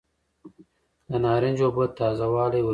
د نارنج اوبه تازه والی ورکوي.